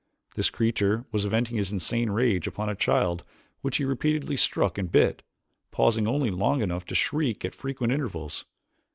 This creature was venting his insane rage upon a child which he repeatedly struck and bit, pausing only long enough to shriek at frequent intervals.